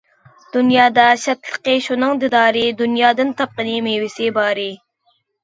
دۇنيادا شادلىقى شۇنىڭ دىدارى، دۇنيادىن تاپقىنى مېۋىسى بارى.